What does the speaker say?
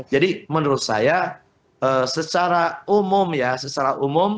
jadi menurut saya secara umum ya